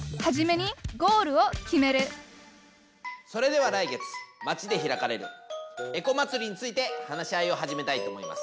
それでは来月町で開かれるエコまつりについて話し合いを始めたいと思います。